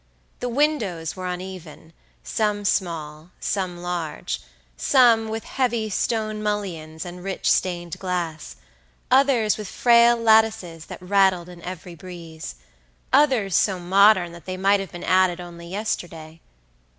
The windows were uneven; some small, some large, some with heavy stone mullions and rich stained glass; others with frail lattices that rattled in every breeze; others so modern that they might have been added only yesterday.